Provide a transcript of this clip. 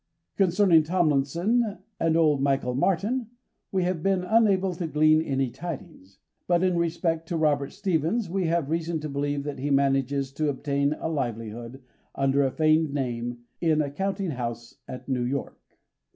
Concerning Tomlinson and old Michael Martin, we have been unable to glean any tidings: but in respect to Robert Stephens, we have reason to believe that he manages to obtain a livelihood, under a feigned name, in a counting house at New York.